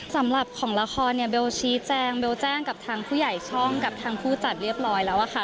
สำหรับของละครเนี่ยเบลชี้แจงเบลแจ้งกับทางผู้ใหญ่ช่องกับทางผู้จัดเรียบร้อยแล้วอะค่ะ